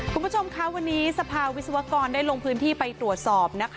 คุณผู้ชมคะวันนี้สภาวิศวกรได้ลงพื้นที่ไปตรวจสอบนะคะ